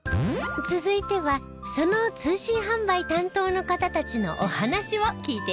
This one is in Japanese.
続いてはその通信販売担当の方たちのお話を聞いていきましょう。